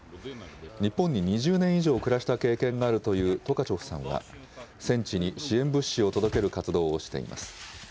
日本に２０年以上暮らした経験があるというトカチョフさんは、戦地に支援物資を届ける活動をしています。